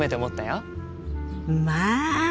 まあ！